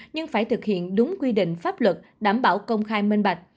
nhưng phải thực hiện đúng quy định pháp luật đảm bảo công khai minh bạch